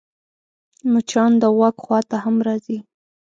مچان د غوږ خوا ته هم راځي